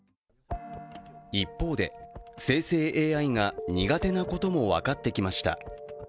一方で、生成ＡＩが苦手なことも分かってきました。